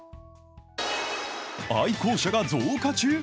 愛好者が増加中？